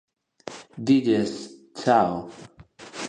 Dilles "ciao".